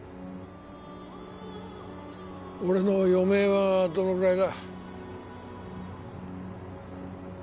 俺の余命はどのぐらいだ？